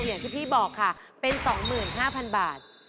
อย่างที่พี่บอกค่ะเป็น๒๕๐๐๐บาท